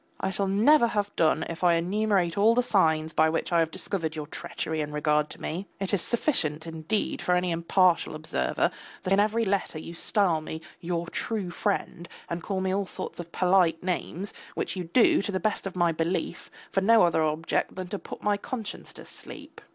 I shall never have done if I enumerate all the signs by which I have discovered your treachery in regard to me. It is sufficient, indeed, for any impartial observer that in every letter you style me, your true friend, and call me all sorts of polite names, which you do, to the best of my belief, for no other object than to put my conscience to sleep.